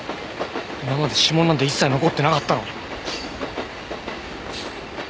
今まで指紋なんて一切残ってなかったのに。